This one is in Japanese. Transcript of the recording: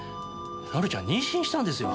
紀ちゃん妊娠したんですよ。